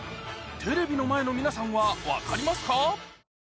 テレビの前の皆さんは分かりますか？